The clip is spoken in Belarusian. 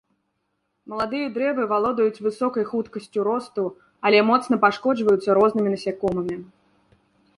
Маладыя дрэвы валодаюць высокай хуткасцю росту, але моцна пашкоджваюцца рознымі насякомымі.